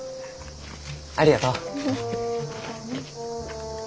ありがとう。